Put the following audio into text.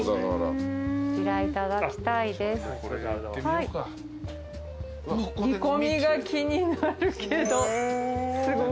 煮込みが気になるけど。